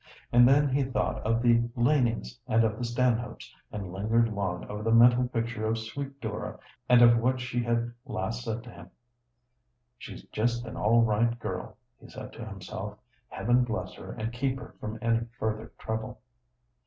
And then he thought of the Lanings and of the Stanhopes, and lingered long over the mental picture of sweet Dora and of what she had last said to him. "She's just an all right girl," he said to himself. "Heaven bless her and keep her from any further trouble!"